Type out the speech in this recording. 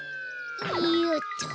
よっと。